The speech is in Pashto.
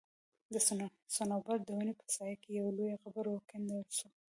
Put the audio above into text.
د صنوبر د وني په سايه کي يو لوى قبر وکيندل سو